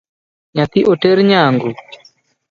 Nyathi oter nyangu?